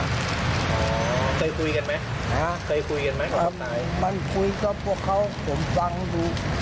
เคยคุยกันไหมนะฮะเคยคุยกันไหมกับไหนมันคุยกับพวกเขาผมฟังดู